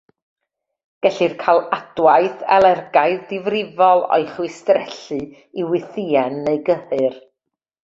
Gellir cael adwaith alergaidd difrifol o'i chwistrellu i wythïen neu gyhyr.